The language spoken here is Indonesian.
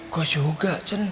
gua juga cun